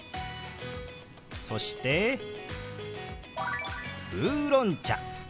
そして「ウーロン茶」。